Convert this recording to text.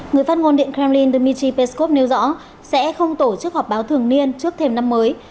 người phát ngôn điện kremlin dmitry peskov nêu rõ sẽ không tổ chức họp báo thường niên trước thềm năm mới